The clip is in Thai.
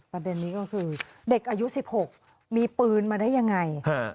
ประเด็นนี้ก็คือเด็กอายุ๑๖มีปืนมาได้ยังไง